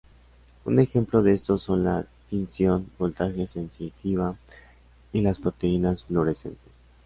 Un ejemplo de estos son la tinción voltaje-sensitiva y las proteínas fluorescentes.